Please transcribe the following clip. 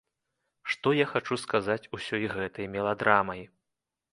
Што я хачу сказаць ўсёй гэтай меладрамай.